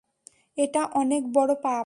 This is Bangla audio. এটা অনেক বড় পাপ!